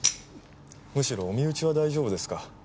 むしろお身内は大丈夫ですか？